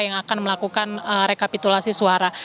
yang akan melakukan rekapitulasi suara